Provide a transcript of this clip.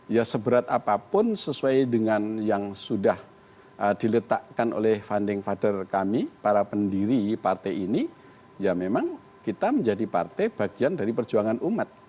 ya seberat apapun sesuai dengan yang sudah diletakkan oleh funding father kami para pendiri partai ini ya memang kita menjadi partai bagian dari perjuangan umat